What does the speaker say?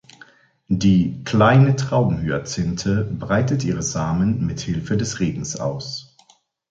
Die Kleine Traubenhyazinthe breitet ihre Samen mit Hilfe des Regens aus.